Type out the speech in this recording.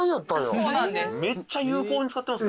そうなんです。